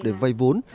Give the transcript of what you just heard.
để vay vốn